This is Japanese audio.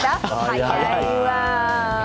早いわ。